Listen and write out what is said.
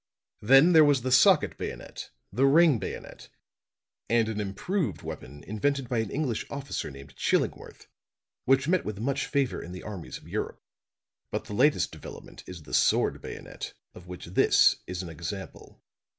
Then there was the socket bayonet, the ring bayonet and an improved weapon invented by an English officer named Chillingworth which met with much favor in the armies of Europe. But the latest development is the sword bayonet, of which this is an example.